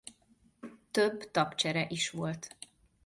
Több tagcsere is volt.